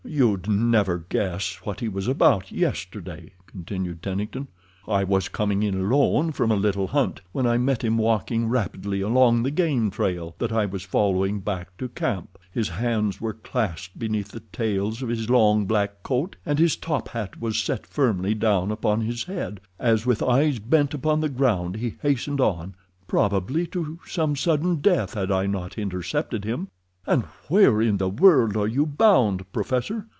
"You'd never guess what he was about yesterday," continued Tennington. "I was coming in alone from a little hunt when I met him walking rapidly along the game trail that I was following back to camp. His hands were clasped beneath the tails of his long black coat, and his top hat was set firmly down upon his head, as with eyes bent upon the ground he hastened on, probably to some sudden death had I not intercepted him. "'Why, where in the world are you bound, professor?